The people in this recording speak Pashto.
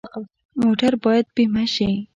موټر باید بیمه شي.